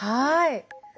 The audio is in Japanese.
はい。